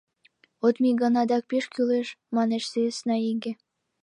— От мий гын, адак пеш кӱлеш, — манеш сӧснаиге.